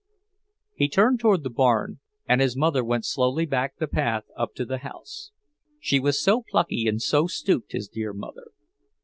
He turned toward the barn, and his mother went slowly back the path up to the house. She was so plucky and so stooped, his dear mother!